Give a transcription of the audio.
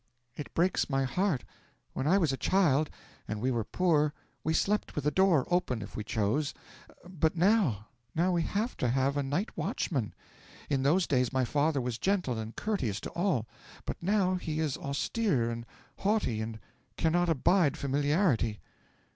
It breaks my heart. When I was a child and we were poor, we slept with the door open, if we chose, but now now we have to have a night watchman. In those days my father was gentle and courteous to all; but now he is austere and haughty and cannot abide familiarity.